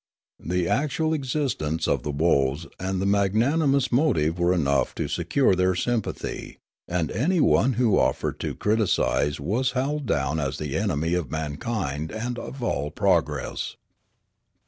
The actual existence of the woes and the magnanimous motive were enough to secure their sympathj^ and an3^one who offered to criticise was howled down as the enemy of mankind and of all progress.